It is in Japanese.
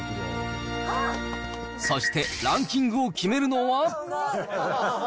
そしてランキングを決めるのは。